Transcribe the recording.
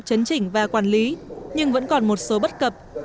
chấn chỉnh và quản lý nhưng vẫn còn một số bất cập